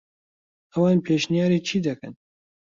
ئەوان پێشنیاری چی دەکەن؟